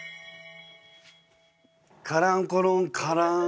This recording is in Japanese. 「カランコロンカラン」